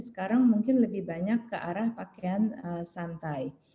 sekarang mungkin lebih banyak ke arah pakaian santai